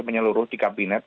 menyeluruh di kabinet